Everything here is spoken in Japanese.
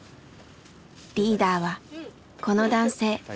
リーダーはこの男性。